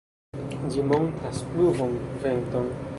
Ĝi montras pluvon venton.